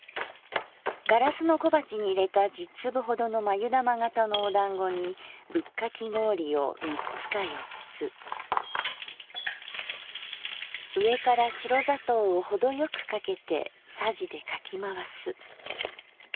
ガラスの小鉢にいれた十粒ほどのまゆだま型のおだんごにブッカキ氷を三つか四つ上から白砂糖をほどよくかけて匙でかきまわす」。